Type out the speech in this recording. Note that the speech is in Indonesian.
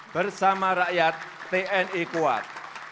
bersama rakyat tni kuat